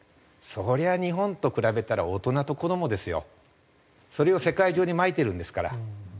そりゃあ日本と比べたら大人と子どもですよ。それを世界中にまいてるんですから。